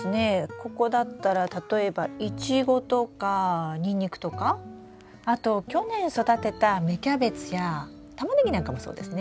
ここだったら例えばイチゴとかニンニクとかあと去年育てた芽キャベツやタマネギなんかもそうですね。